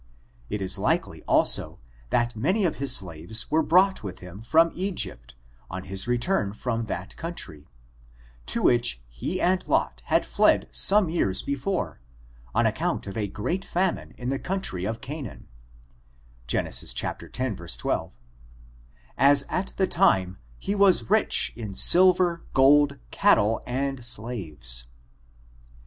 It is likely, also, that many of his slaves were brought with him from Egypt, on hjs return from that country, to which he and Lot had fled some years before, on account of a great famine in the country of Canaan (Gen. x, 12), as at the time he was rich in silver, gold, cattle and slaves.